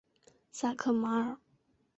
萨克马尔。